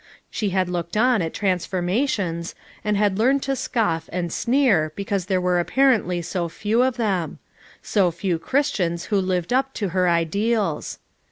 She had looked on at transformations, and had learned to scoff and sneer because there were appar ently so few of them; so few Christians who lived up to her ideals.